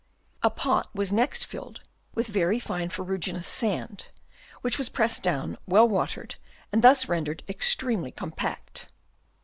A pot was next filled with very fine ferru ginous sand, which was pressed down, well watered, and thus rendered extremely com pact.